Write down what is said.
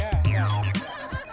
perjalanan yang terakhir di medan